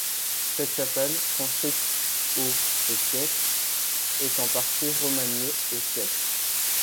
Cette chapelle, construite aux et siècles, est en partie remaniée au siècle.